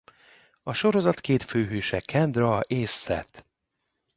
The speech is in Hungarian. A sorozat két főhőse Kendra és Seth.